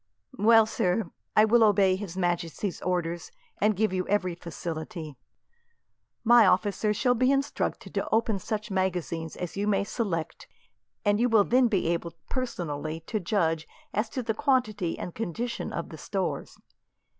"Well, sir, I will obey His Majesty's orders, and give you every facility. My officers shall be instructed to open such magazines as you may select, and you will be then able personally to judge as to the quantity and condition of the stores.